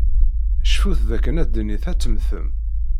Cfut dakken adennit ad temmtem.